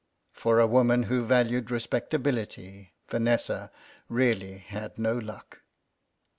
For a woman who valued respectability Vanessa really had no luck.